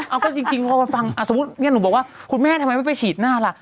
เอาก็จริงพอไปฟังสมมุติเนี่ยหนูบอกว่าคุณแม่ทำไมไม่ไปฉีดหน้าล่ะ